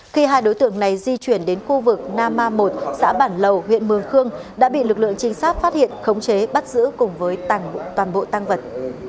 khi hai đối tượng này di chuyển đến khu vực na ma một xã bản lầu huyện mường khương đã bị lực lượng trinh sát phát hiện khống chế bắt giữ cùng với tảng toàn bộ tăng vật